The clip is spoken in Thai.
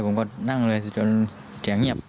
ผมก็นั่งเลยคือจนเสียงเงียบ